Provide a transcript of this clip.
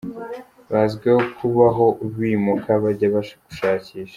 bazwiho kubaho bimuka bajya gushakisha.